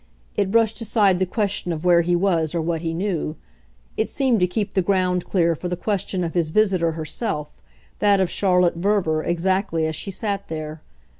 It brushed aside the question of where he was or what he knew; it seemed to keep the ground clear for the question of his visitor herself, that of Charlotte Verver exactly as she sat there.